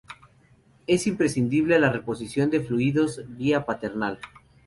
Es imprescindible la reposición de fluidos vía parenteral.